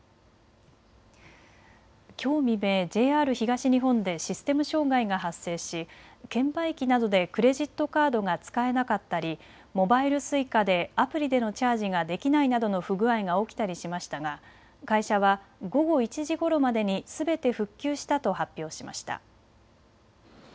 きょう未明、ＪＲ東日本でシステム障害が発生し券売機などでクレジットカードが使えなかったりモバイルＳｕｉｃａでアプリでのチャージができないなどの不具合が起きたりしましたが会社は午後１時ごろまでにすべて復旧したと発表しました。